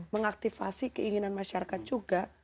mengaktivasi keinginan masyarakat juga